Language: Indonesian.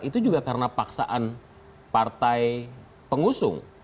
itu juga karena paksaan partai pengusung